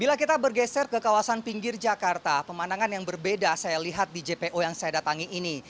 bila kita bergeser ke kawasan pinggir jakarta pemandangan yang berbeda saya lihat di jpo yang saya datangi ini